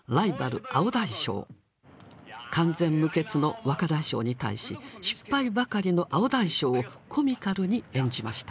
完全無欠の若大将に対し失敗ばかりの青大将をコミカルに演じました。